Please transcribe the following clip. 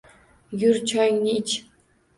Yur, choyingni ich!